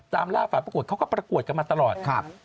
ล่าฝ่ายประกวดเขาก็ประกวดกันมาตลอด